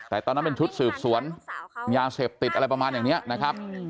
แต่ตอนนั้นเป็นชุดสืบสวนยาเสพติดอะไรประมาณอย่างนี้นะครับ